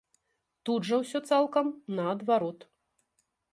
Тут жа ўсё цалкам наадварот.